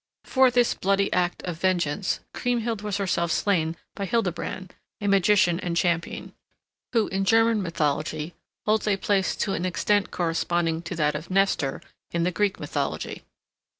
For this bloody act of vengeance Kriemhild was herself slain by Hildebrand, a magician and champion, who in German mythology holds a place to an extent corresponding to that of Nestor in the Greek mythology.